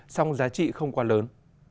song giá trị không quá lớn